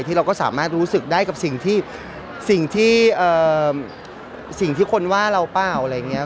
ที่เราก็สามารถรู้สึกได้กับสิ่งที่สิ่งที่เอ่อสิ่งที่คนว่าเราเปล่าอะไรอย่างเงี้ย